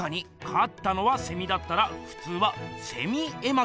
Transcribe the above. かったのはセミだったらふつうは「セミ絵巻」ですよね。